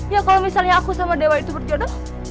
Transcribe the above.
ya kalau misalnya aku sama dewa itu berjono